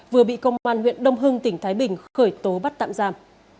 vừa bị công an huyện đông hưng tỉnh thái bình khởi tố bắt tạm giam